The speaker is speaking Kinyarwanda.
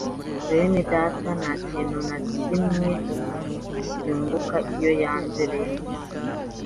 benedata ntacyintu nacyimwe umuntu yunguka iyo yanze benese